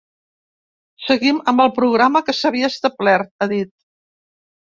Seguim amb el programa que s’havia establert, ha dit.